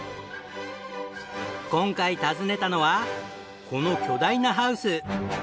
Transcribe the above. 今回訪ねたのはこの巨大なハウス。